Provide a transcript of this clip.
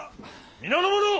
皆の者！